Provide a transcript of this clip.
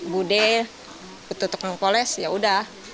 budhe tutupnya ke koles yaudah